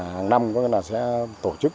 hàng năm sẽ tổ chức